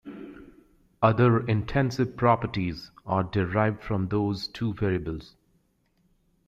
Other intensive properties are derived from those two variables.